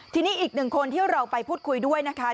ทีนี้อีกหนึ่งคนที่เราไปพูดคุยด้วยนะคะ